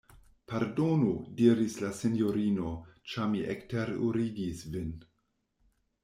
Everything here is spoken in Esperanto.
Pardonu! diris la sinjorino, ĉar mi ekterurigis vin.